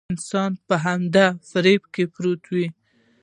انسان په همدې فريب کې پروت وي.